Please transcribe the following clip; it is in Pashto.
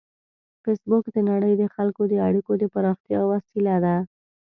فېسبوک د نړۍ د خلکو د اړیکو د پراختیا وسیله ده